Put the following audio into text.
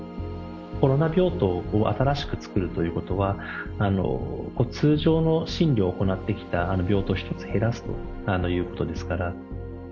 コロナ病棟を新しく作るということは、通常の診療を行ってきた病棟を１つ減らすということですから。